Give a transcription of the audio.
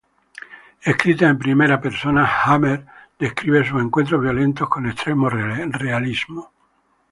Escritas en primera persona, Hammer describe sus encuentros violentos con extremo realismo.